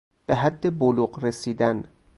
به حد بلوغ رسیدن